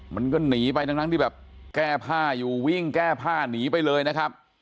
มันก็หนีไปทั้งที่แบบแก้ผ้าอยู่วิ่งแก้ผ้าหนีไปเลยนะครับ